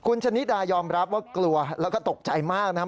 คุณชนิดายอมรับว่ากลัวแล้วก็ตกใจมากนะครับ